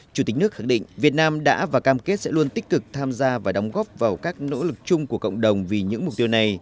chủ tịch nước khẳng định việt nam đã và cam kết sẽ luôn tích cực tham gia và đóng góp vào các nỗ lực chung của cộng đồng vì những mục tiêu này